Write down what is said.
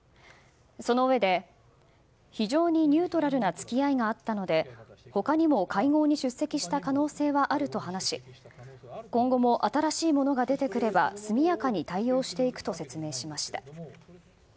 そのうえで非常にニュートラルな付き合いがあったので他にも会合に出席した可能性はあると話し今後も新しいものが出てくれば速やかに対応していくと説明しました。